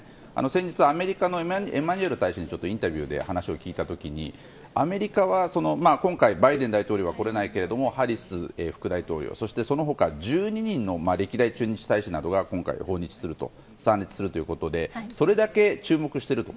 先日、アメリカのエマニュエルさんにインタビューで話を聞いた時にアメリカは、バイデン大統領は来れないけれどもハリス副大統領やその他に１２人の歴代駐日大使などが今回訪日するということでそれだけ注目していると。